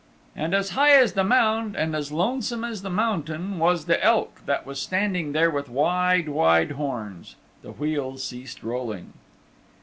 And as high as the mound and as lonesome as the mountain was the Elk that was standing there with wide, wide horns. The wheel ceased rolling.